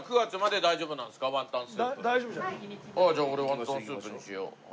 じゃあ俺ワンタンスープにしよう。